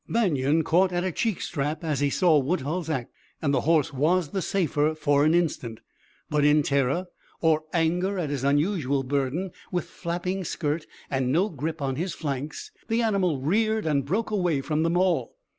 Banion caught at a cheek strap as he saw Woodhull's act, and the horse was the safer for an instant. But in terror or anger at his unusual burden, with flapping skirt and no grip on his flanks, the animal reared and broke away from them all.